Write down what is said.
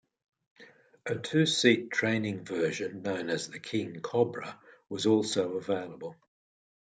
A two-seat training version, known as the King Cobra was also available.